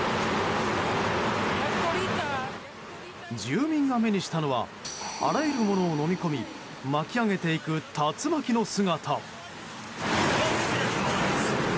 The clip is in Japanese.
住民が目にしたのはあらゆるものをのみ込み巻き上げていく竜巻の姿。